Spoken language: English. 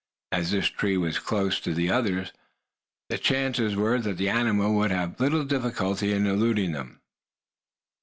As this tree was close to others, the chances were that the animal would have little difficulty in eluding them.